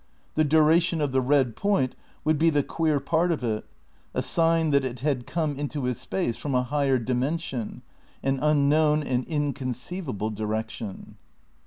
The dura tion of the red point would be the queer part of it, a sign that it had come into his space from a higher dimension, an unknown and inconceivable direction.